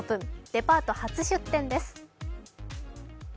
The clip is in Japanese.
デパート初出店です。